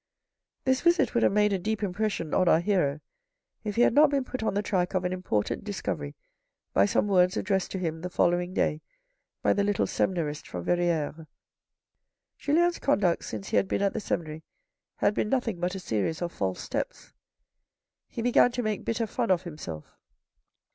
This visit would have made a deep impression on our hero, if he had not been put on the track of an important discovery by some words addressed to him the following day by the little seminarist from Verrieres. Julien's conduct since he had been at the seminary had been nothing but a series of false steps. He began to make bitter fun of himself.